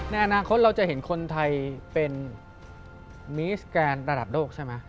ในอนาคตเราจะเห็นคนไทยเป็นมีสแกนระดับโลกใช่ไหม